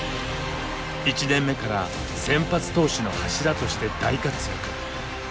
１年目から先発投手の柱として大活躍。